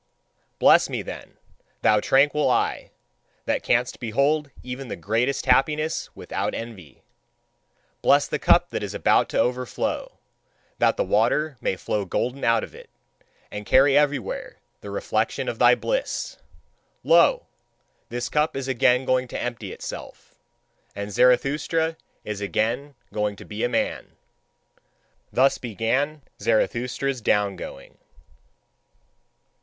Bless me, then, thou tranquil eye, that canst behold even the greatest happiness without envy! Bless the cup that is about to overflow, that the water may flow golden out of it, and carry everywhere the reflection of thy bliss! Lo! This cup is again going to empty itself, and Zarathustra is again going to be a man. Thus began Zarathustra's down going.